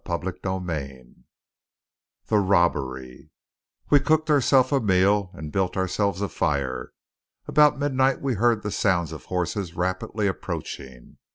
CHAPTER XXVII THE ROBBERY We cooked ourselves a meal, and built ourselves a fire. About midnight we heard the sounds of horses rapidly approaching.